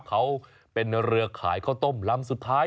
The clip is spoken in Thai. เขาเป็นเรือขายข้าวต้มลำสุดท้าย